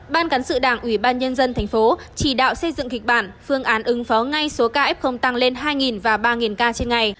ban cán sự đảng ủy ban nhân dân thành phố chỉ đạo xây dựng kịch bản phương án ứng phó ngay số ca f tăng lên hai và ba ca trên ngày